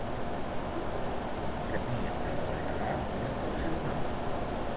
Un premi d'economia del Berguedà porta el seu nom.